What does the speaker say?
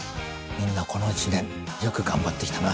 みんなこの一年よく頑張って来たな。